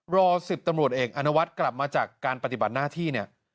รอ๑๐ตำรวจเอกอนุวัฒน์กลับมาจากการปฏิบัติหน้าที่เนี่ย